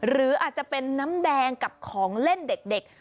หรืออาจจะเป็นน้ำแดงกับของเล่นเด็ก